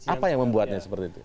apa yang membuatnya seperti itu